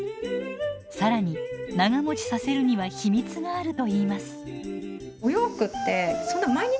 更に長もちさせるには秘密があるといいます。